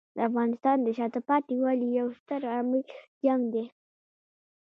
د افغانستان د شاته پاتې والي یو ستر عامل جنګ دی.